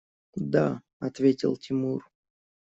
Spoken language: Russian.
– Да, – ответил Тимур.